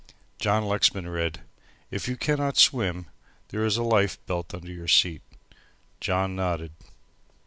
John Lexman read: "If you cannot swim there is a life belt under your seat." John nodded.